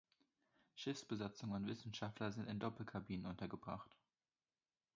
Schiffsbesatzung und Wissenschaftler sind in Doppelkabinen untergebracht.